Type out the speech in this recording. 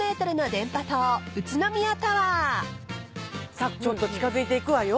さっちょっと近づいていくわよ。